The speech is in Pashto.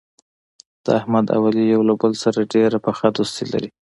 د احمد او علي یو له بل سره ډېره پخه دوستي لري.